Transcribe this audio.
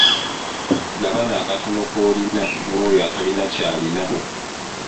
Gabana akatono k'olina n'oyo atalina ky'alina.